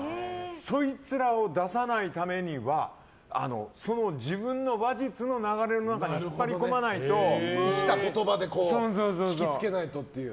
そいつらを出さないためにはその自分の話術の流れの中に生きた言葉で引きつけないとっていう。